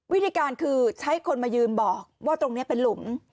วิธีการคือใช้คนมายืนบอกว่าตรงนี้เป็นหลุม